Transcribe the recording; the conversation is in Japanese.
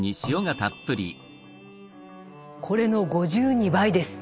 これの５２倍です！